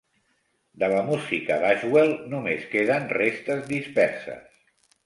De la música d'Ashwell només queden restes disperses.